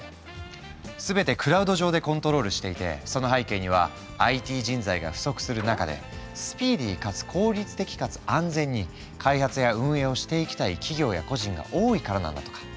全てクラウド上でコントロールしていてその背景にはＩＴ人材が不足する中でスピーディーかつ効率的かつ安全に開発や運営をしていきたい企業や個人が多いからなんだとか。